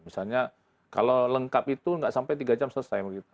misalnya kalau lengkap itu nggak sampai tiga jam selesai